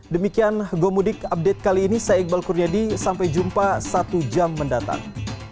demikian gomudik update kali ini saya iqbal kurniadi sampai jumpa satu jam mendatang